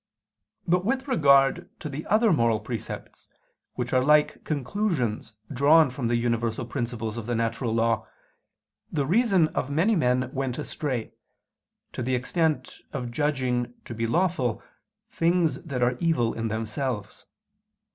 But with regard to the other moral precepts, which are like conclusions drawn from the universal principles of the natural law, the reason of many men went astray, to the extend of judging to be lawful, things that are evil in themselves.